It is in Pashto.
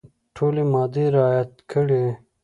ټولي مادې رعیات کړي.